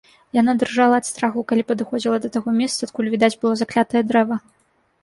Яна дрыжала ад страху, калі падыходзіла да таго месца, адкуль відаць было заклятае дрэва.